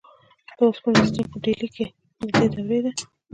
د اوسپنې ستن په ډیلي کې د دې دورې ده.